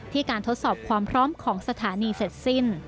การทดสอบความพร้อมของสถานีเสร็จสิ้น